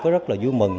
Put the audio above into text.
rất là vui mừng